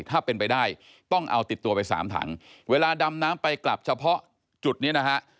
ถ้าเป็นไปได้ต้องเอาติดตัวไปสามถังเวลาดำน้ำไปกลับเฉพาะจุดนี้นะฮะ